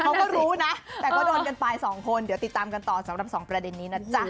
เขาก็รู้นะแต่ก็โดนกันไปสองคนเดี๋ยวติดตามกันต่อสำหรับสองประเด็นนี้นะจ๊ะ